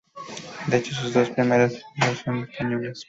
De hecho, sus dos primeras esposas son españolas.